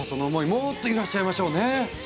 もっと揺らしちゃいましょうね！